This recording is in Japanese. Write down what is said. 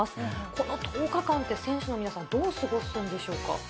この１０日間って、選手の皆さん、どう過ごすんでしょうか。